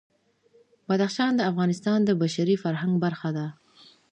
بدخشان د افغانستان د بشري فرهنګ برخه ده.